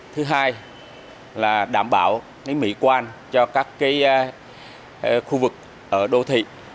thứ hai là đảm bảo mỹ quan cho các khu vực ở đô thị